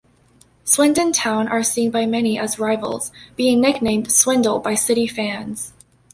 Swindon Town are seen by many as rivals, being nicknamed 'Swindle' by City fans.